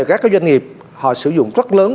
các doanh nghiệp họ sử dụng rất lớn